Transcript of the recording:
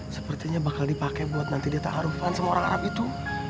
sepertinya bakal dipakai buat nanti dia tak harufan sama orang arab itu